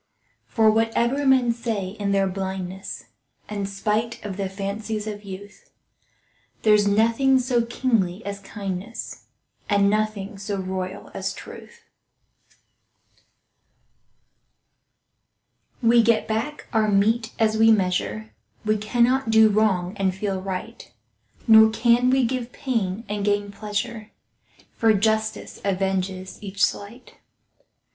For whatever men say in their blindness, And spite of the fancies of youth, There's nothing so kingly as kindness, And nothing so royal as truth. We get back our mete as we measure— We cannot do wrong and feel right, Nor can we give pain and gain pleasure, For justice avenges each slight.